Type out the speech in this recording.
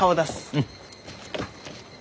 うん。